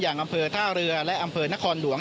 อำเภอท่าเรือและอำเภอนครหลวง